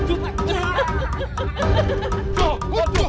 jangan trabaj lu